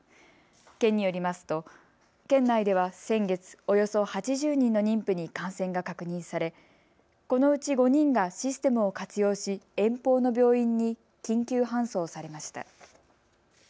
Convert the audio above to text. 県によりますと、県内では先月、およそ８０人の妊婦に感染が確認されこのうち５人がシステムを活用し、遠方の病院に緊急搬送されました。